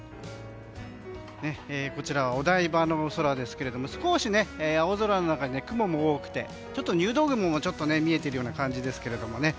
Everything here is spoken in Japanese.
こちらはお台場の空ですけど少し青空の中に雲も多くて入道雲もちょっと見えているような感じですけれども。